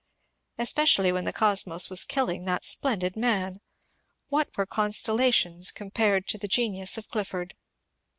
Especially when the cosmos was killing that splendid man. What were constellations compared to the genius of Clifford